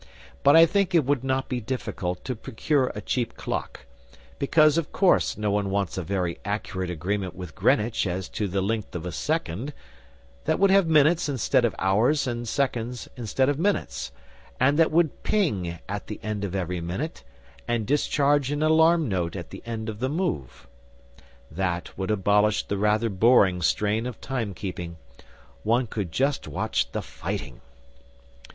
But I think it would not be difficult to procure a cheap clock because, of course, no one wants a very accurate agreement with Greenwich as to the length of a second that would have minutes instead of hours and seconds instead of minutes, and that would ping at the end of every minute and discharge an alarm note at the end of the move. That would abolish the rather boring strain of time keeping. One could just watch the fighting.